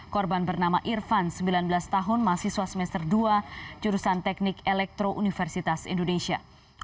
korban bernama irvan sembilan belas tahun mahasiswa semester dua jurusan teknik elektro universitas indonesia